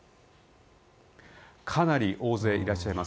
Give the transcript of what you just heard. かなり大勢いらっしゃいます。